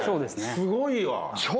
すごいわ。